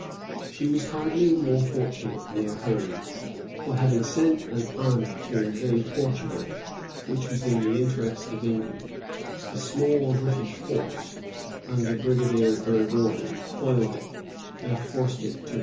She was hardly more fortunate near home; for having sent an army to invade Portugal, which was in the interest of England, a small British force, under Brigadier Burgoyne, foiled it, and forced it to retire.